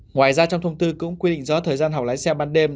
ngoài ra trong thông tư cũng quy định rõ thời gian học lái xe ban đêm